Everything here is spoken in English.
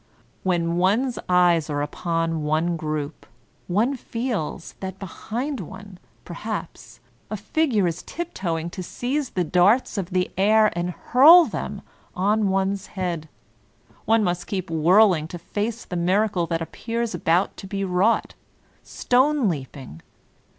When one's eyes are upon one group, one feels that behind one, perhaps, a figure is uptoeing to seize the darts of the air and hurl them on one's head; one must keep whirling to face the miracle that appears about to be wrought — stone leap ing!